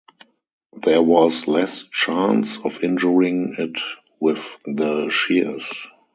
There was less chance of injuring it with the shears.